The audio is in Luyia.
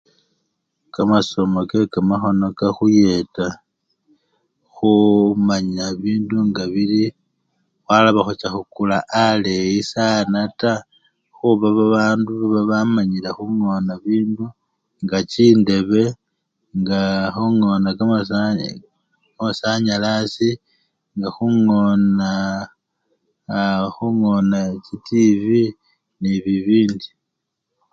Kamasomo kekamakhono kakhuyeta khumanya bindu nga bili khwaloba khucha khukula aleyi sana taa khuba babandu baba bamanyile khungona bindu nga chindebe, nga khungona kamasa! kamasanyalasi nga khungona aa! khungona chitivwi nende bibindi.